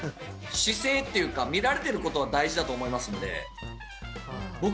姿勢っていうか見られてる事は大事だと思いますので。